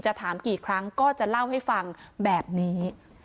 ถามกี่ครั้งก็จะเล่าให้ฟังแบบนี้